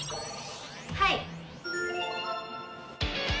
はい！